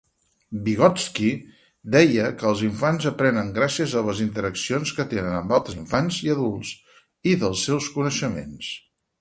Vygotsky deia que els infants aprenen gràcies a les interaccions que tenen amb altres infants i adults, i dels seus coneixements.